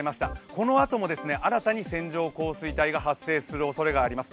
このあとも新たに線状降水帯が発生するおそれもあります。